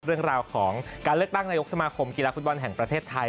เรื่องราวของการเลือกตั้งนายกสมาคมกีฬาฟุตบอลแห่งประเทศไทย